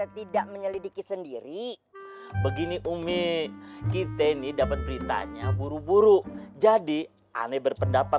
tidak menyelidiki sendiri begini umi kita ini dapat beritanya buru buru jadi aneh berpendapat